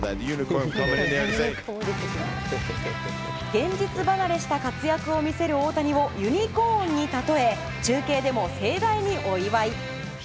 現実離れした活躍を見せる大谷をユニコーンに例え中継でも盛大にお祝い。